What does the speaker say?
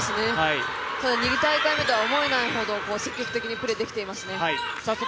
２大会目とは思えないほど積極的にプレーできてます。